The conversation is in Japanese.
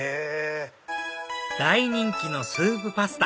大人気のスープパスタ